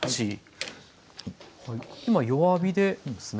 今弱火でいいんですね？